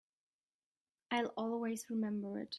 I'll always remember it.